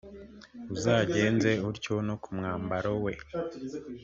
uzagenze utyo no ku mwambaro we,